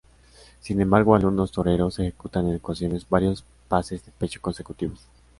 Sin embargo, algunos toreros ejecutan en ocasiones varios pases de pecho consecutivos.